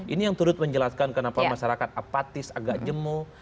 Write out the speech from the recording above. ini yang turut menjelaskan kenapa masyarakat apatis agak jemuh